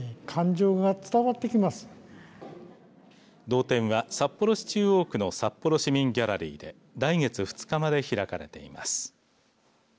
道展は札幌市中央区の札幌市民ギャラリーで来月２日まで開かれています。